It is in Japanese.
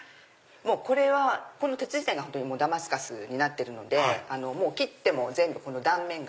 これはこの鉄自体がダマスカスになってるので切っても全部この断面が。